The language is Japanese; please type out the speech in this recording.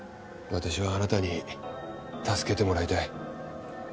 私はあなたに助けてもらいたい。